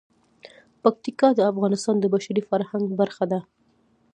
پکتیکا د افغانستان د بشري فرهنګ برخه ده.